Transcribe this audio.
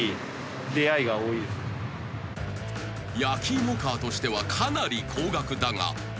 ［焼き芋カーとしてはかなり高額だが］